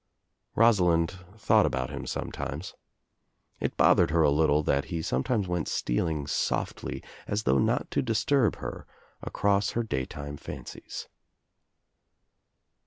Rosalind thought about him sometimes. It bothered her a little that he sometimes went stealing softly, as though not to disturb her, across her daytime fancies.